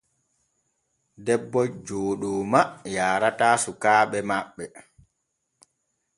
Debbo Jooɗooma yaarataa sukaaɓe maɓɓe.